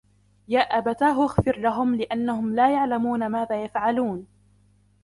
يَا أَبَتَاهُ اغْفِرْ لَهُمْ لأَنَّهُمْ لاَ يَعْلَمُونَ مَاذَا يَفْعَلُونَ